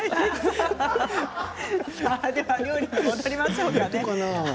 料理に戻りましょうか。